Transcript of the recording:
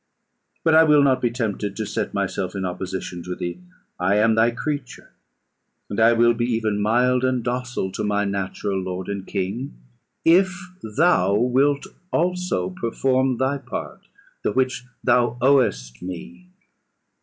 But I will not be tempted to set myself in opposition to thee. I am thy creature, and I will be even mild and docile to my natural lord and king, if thou wilt also perform thy part, the which thou owest me.